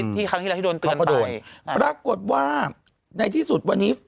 ที่ครั้งที่เราที่โดนเตือนไปปรากฏว่าในที่สุดวันนี้